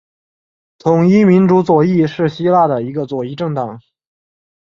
统一民主左翼是希腊的一个左翼政党。